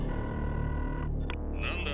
何だ？